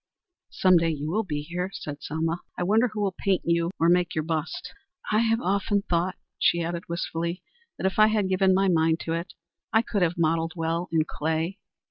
"Some day you will be here," said Selma. "I wonder who will paint you or make your bust. I have often thought," she added, wistfully, "that, if I had given my mind to it, I could have modelled well in clay.